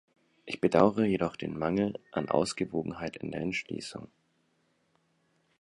Ich bedauere jedoch den Mangel an Ausgewogenheit in der Entschließung.